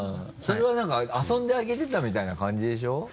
それはなんか遊んであげてたみたいな感じでしょ？